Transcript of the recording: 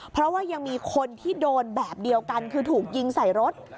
เพราะว่ายังมีคนที่โดนแบบเดียวกันคือถูกยิงใส่รถ